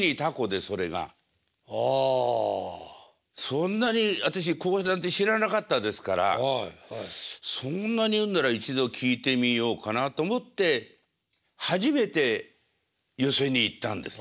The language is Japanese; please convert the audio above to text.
そんなに私講談って知らなかったですからそんなに言うんなら一度聴いてみようかなと思って初めて寄席に行ったんです。